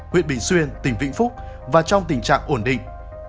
huyện bình xuyên tỉnh vĩnh phúc và trong tình trạng ổn định